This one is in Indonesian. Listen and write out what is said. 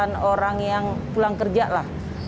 dan orang yang pulang kerja lah